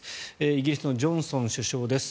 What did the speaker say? イギリスのジョンソン首相です。